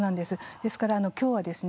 ですから今日はですね